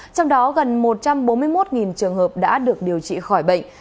trong đó gần một trăm bốn mươi một trường hợp đã được điều trị khỏi bệnh